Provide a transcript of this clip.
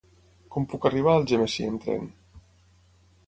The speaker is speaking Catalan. Com puc arribar a Algemesí amb tren?